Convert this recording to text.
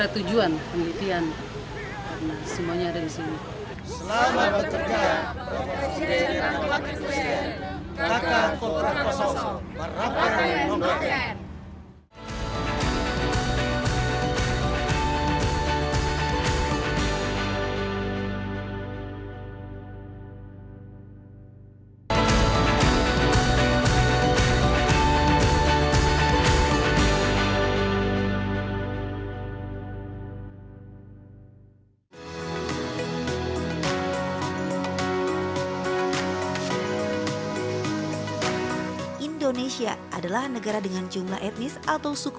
terima kasih race linet